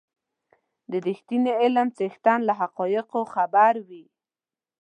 د رښتيني علم څښتن له حقایقو خبر وي.